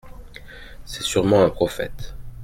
C’est sûrement un prophète…